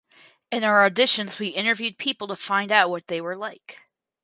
In our auditions we interviewed people to find out what they were like.